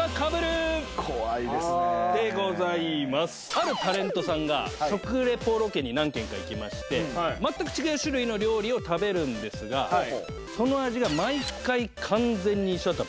あるタレントさんが食リポロケに何軒か行きまして全く違う種類の料理を食べるんですがその味が毎回完全に一緒だった